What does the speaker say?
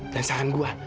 dan saran gue